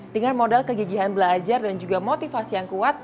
dengan modal kegigihan belajar dan juga motivasi yang kuat